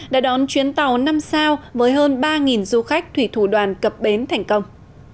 đã đón chuyến tàu năm sao với hơn ba du khách thủy thủ đoàn cập bến thành công